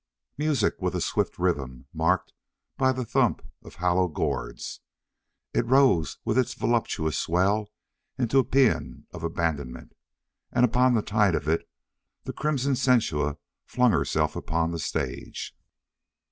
Music with a swift rhythm, marked by the thump of hollow gourds. It rose with its voluptuous swell into a paean of abandonment, and upon the tide of it, the crimson Sensua flung herself upon the stage.